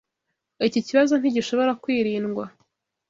Iki kibazo ntigishobora kwirindwa.